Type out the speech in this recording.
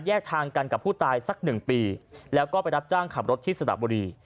ทางกันกับผู้ตายสักหนึ่งปีแล้วก็ไปรับจ้างขับรถที่สระบุรี